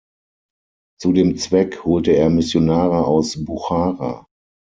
Zu dem Zweck holte er Missionare aus Buchara.